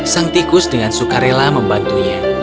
sang tikus dengan suka rela membantunya